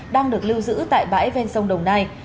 đang được lưu giữ tại bãi ven sông đồng nai